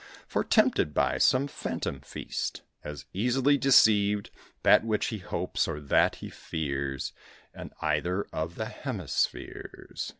For, tempted by some phantom feast, As easily deceived, That which he hopes, or that he fears, In either of the hemispheres.